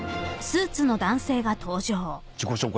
自己紹介